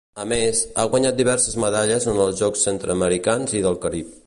A més, ha guanyat diverses medalles en els Jocs Centreamericans i del Carib.